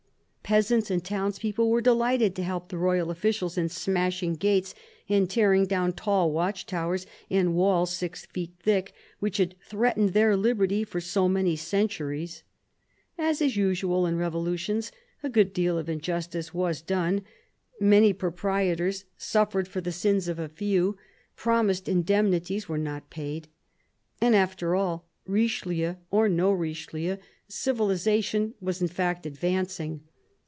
Peasants and townspeople were delighted to help the royal officials in smashing gates and tearing down tall watch towers and walls six feet thick, which had threatened their liberty for so many centuries. As is usual in revolutions, a good deal of injustice was done ; many proprietors suffered for 176 THE CARDINAL 177 the sins of a few; promised indemnities were not paid. And after all, Richelieu, or no Richelieu, civilisation was in fact advancing.